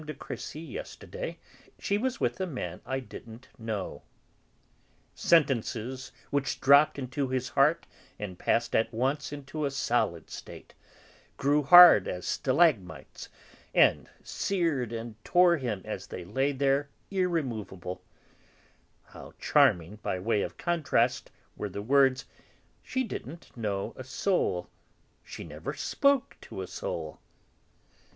de Crécy yesterday; she was with a man I didn't know."), sentences which dropped into his heart and passed at once into a solid state, grew hard as stalagmites, and seared and tore him as they lay there irremovable, how charming, by way of contrast, were the words: "She didn't know a soul; she never spoke to a soul."